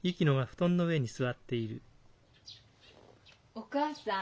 ・お義母さん？